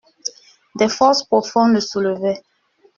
Des forces profondes le soulevaient.